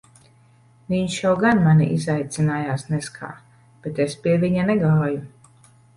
Viņš jau gan mani izaicinājās nez kā, bet es pie viņa negāju.